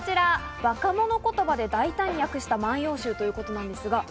若者言葉で大胆に訳した『万葉集』ということです。